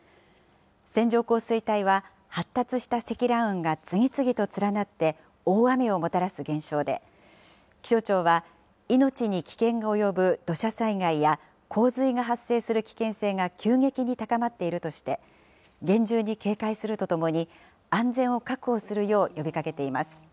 線状降水帯は発達した積乱雲が次々と連なって、大雨をもたらす現象で、気象庁は、命に危険が及ぶ土砂災害や洪水が発生する危険性が急激に高まっているとして、厳重に警戒するとともに、安全を確保するよう呼びかけています。